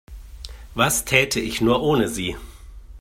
Was täte ich nur ohne Sie?